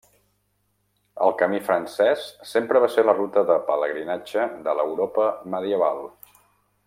El camí francès sempre va ser la ruta de pelegrinatge de l’Europa medieval.